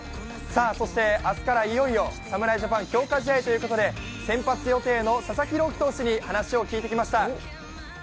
明日からいよいよ侍ジャパン強化試合ということで佐々木朗希投手に話を聞いてきました。